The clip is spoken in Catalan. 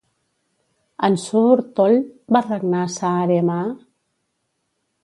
En Suur Tõll va regnar Saaremaa?